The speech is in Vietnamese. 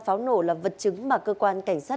pháo nổ là vật chứng mà cơ quan cảnh sát